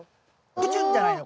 プチュッじゃないの。